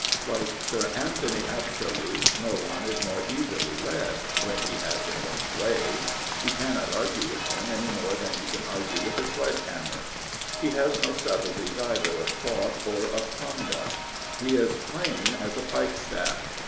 Like Sir Anthony Absolute, no one is more easily led — ^when he has his own way. You cannot argue with him any more than you can argue with a sledge hammer. He has no subtleties either of thought or of conduct. He is plain as a pike staff.)